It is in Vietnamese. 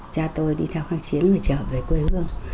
cha tôi đi theo kháng chiến và trở về quê hương